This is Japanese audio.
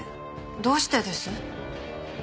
どうしてです？